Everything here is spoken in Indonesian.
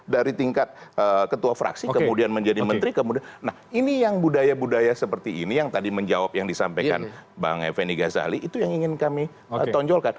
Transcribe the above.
dari tingkat ketua fraksi kemudian menjadi menteri kemudian nah ini yang budaya budaya seperti ini yang tadi menjawab yang disampaikan bang effendi ghazali itu yang ingin kami tonjolkan